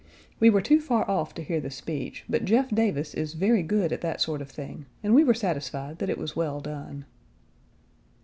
We were too far off to hear the speech, but Jeff Davis is very good at that sort of thing, and we were satisfied that it was well done.